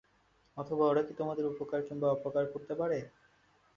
অথবা ওরা কি তোমাদের উপকার কিংবা অপকার করতে পারে?